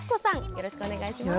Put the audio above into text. よろしくお願いします。